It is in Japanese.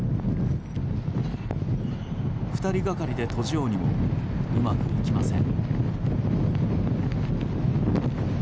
２人がかりで閉じようにもうまくいきません。